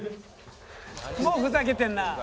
「もうふざけてんな」